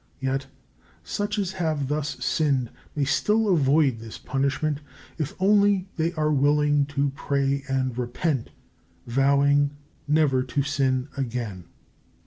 Yet such as have thus sinned may still avoid this punishment, if only they are willing to pray and repent, vowing never to sin again.